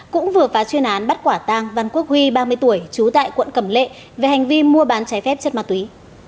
cũng vừa phá chuyên án bắt quả tang văn quốc huy ba mươi tuổi trú tại quận cẩm lệ về hành vi mua bán trái phép chất ma túy